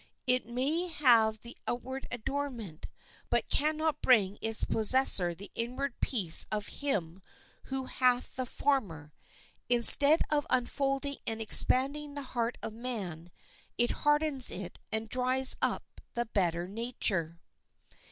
It may have the outward adornment, but can not bring its possessor the inward peace of him who hath the former. Instead of unfolding and expanding the heart of man, it hardens it and dries up the better nature.